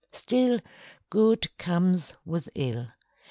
Still good comes with ill.